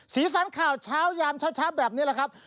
สีสันข่าวเช้ายามเช้าแบบนี้แหละครับ